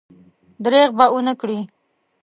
درېغ به ونه کړي.